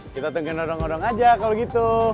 kita tunggu gondong gondong aja kalau gitu